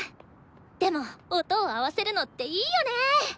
でも音を合わせるのっていいよね。